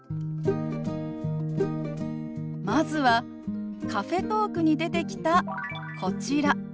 まずはカフェトークに出てきたこちら。